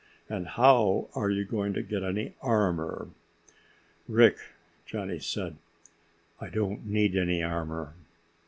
And how are you going to get any armor?" "Rick," Johnny said, "I don't need any armor."